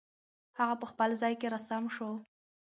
هغه په خپل ځای کې را سم شو.